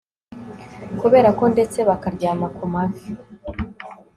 Kuberako ndetse bakaryama ku mavi